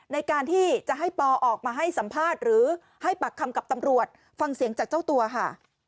ในการที่จะให้ปอออกมาให้สัมภาษณ์หรือให้ปากคำกับตำรวจฟังเสียงจากเจ้าตัวค่ะ